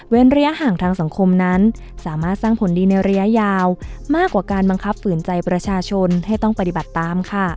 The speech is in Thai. ระยะห่างทางสังคมนั้นสามารถสร้างผลดีในระยะยาวมากกว่าการบังคับฝืนใจประชาชนให้ต้องปฏิบัติตามค่ะ